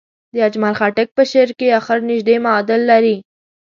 د اجمل خټک په شعر کې اخر نژدې معادل لري.